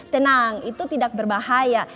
tenang itu tidak berbahaya